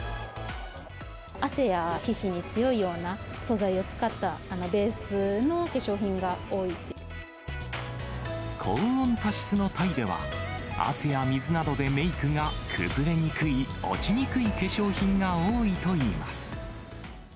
汗や皮脂に強いような素材を高温多湿のタイでは、汗や水などでメークが崩れにくい、落ちにくい化粧品が多いといいます。